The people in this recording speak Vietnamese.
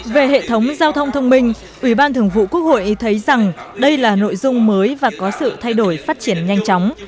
về hệ thống giao thông thông minh ủy ban thường vụ quốc hội thấy rằng đây là nội dung mới và có sự thay đổi phát triển nhanh chóng